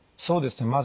そうですね。